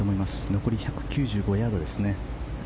残り１９５ヤードですね。